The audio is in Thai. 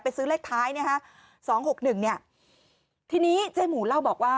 ซื้อเลขท้ายนะฮะสองหกหนึ่งเนี่ยทีนี้เจ๊หมูเล่าบอกว่า